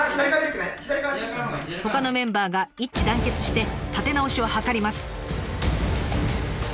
ほかのメンバーが一致団結して立て直しを図ります。